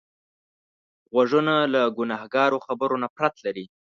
غوږونه له ګناهکارو خبرو نفرت لري